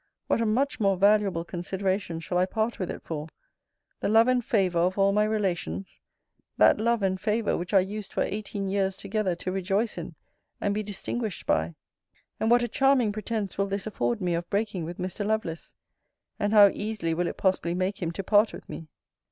What a much more valuable consideration shall I part with it for! The love and favour of all my relations! That love and favour, which I used for eighteen years together to rejoice in, and be distinguished by! And what a charming pretence will this afford me of breaking with Mr. Lovelace! And how easily will it possibly make him to part with me!